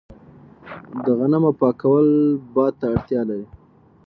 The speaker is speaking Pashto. د غنمو پاکول باد ته اړتیا لري.